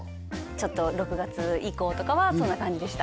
ちょっと６月以降とかはそんな感じでした